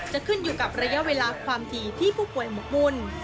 จะขึ้นอยู่กับระยะเวลาความถี่ที่ผู้ป่วยหมกมุ่น